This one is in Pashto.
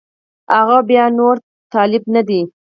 هغه خو بیا نور طالب نه دی